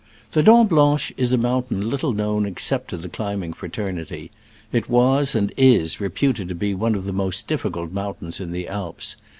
The Dent Blanche is a mountain little known except to the LESLIE STBPHBN. cUmbing fraternity. It was, and is, re puted to be one of the most difficult mountains in the Alps.